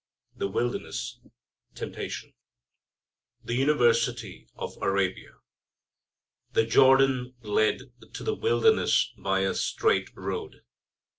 The Wilderness: Temptation The University of Arabia. The Jordan led to the Wilderness by a straight road.